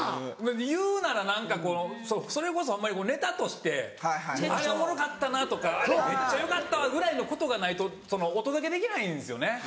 言うなら何かこのそれこそホンマにネタとして「あれおもろかったな」とか「あれめっちゃ良かったわ」ぐらいのことがないとお届けできないんですよね。